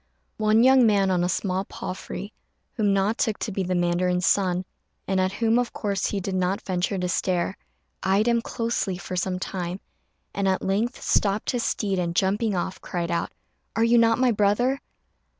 One young man on a small palfrey, whom Na took to be the mandarin's son, and at whom, of course, he did not venture to stare, eyed him closely for some time, and at length stopped his steed, and, jumping off, cried out, "Are you not my brother?"